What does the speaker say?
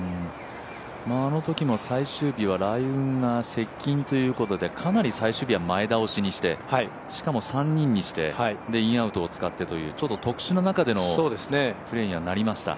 あのときも最終日は雷雲が接近ということでかなり最終日は前倒しにしてしかも３人にしてインアウトを使ってという、ちょっと特殊な中でのプレーにはなりました。